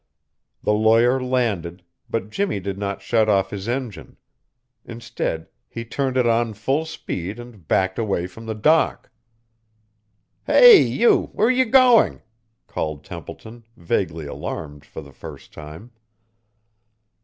The lawyer landed, but Jimmie did not shut off his engine. Instead he turned it on full speed and backed away from the dock. "Hey, you, where are you going?" called Templeton, vaguely alarmed for the first time.